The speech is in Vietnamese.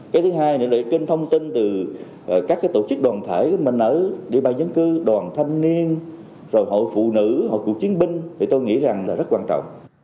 cái thứ hai nữa là trên thông tin từ các tổ chức đoàn thể mình ở địa bàn dân cư đoàn thanh niên rồi hội phụ nữ hội cựu chiến binh thì tôi nghĩ rằng là rất quan trọng